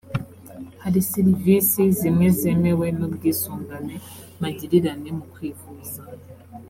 hari serivisi zimwe zemewe n’ubwisungane magirirane mu kwivuza